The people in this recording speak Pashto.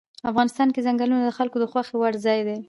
افغانستان کې ځنګلونه د خلکو د خوښې وړ ځای دی.